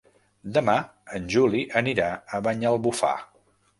Demà en Juli anirà a Banyalbufar.